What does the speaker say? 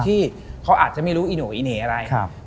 ที่เขาอาจจะไม่รู้ไอหนูอะไอเหนย์อะไร